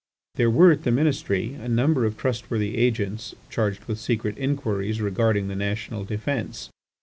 There were at the Ministry a number of trustworthy agents charged with secret inquiries regarding the national defence.